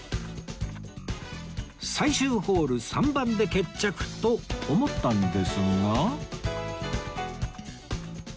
最終ホール３番で決着と思ったんですが